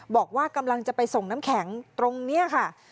บอกว่ากำลังจะไปส่งน้ำแข็งตรงนี้ค่ะ